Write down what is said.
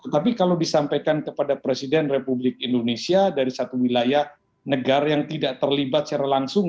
tapi kalau disampaikan kepada presiden republik indonesia dari satu wilayah negara yang tidak terlibat secara langsung